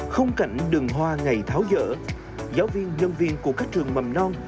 khung cảnh đường hoa ngày tháo dỡ giáo viên nhân viên của các trường mầm non